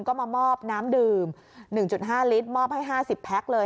ก็มามอบน้ำดื่ม๑๕ลิตรมอบให้๕๐แพ็คเลย